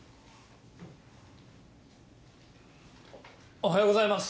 おはようございます。